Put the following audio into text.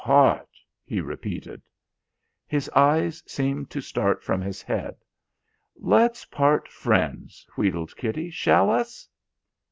"'Part!'" he repeated. His eyes seemed to start from his head. "Let's part friends," wheedled Kitty. "Shall us?"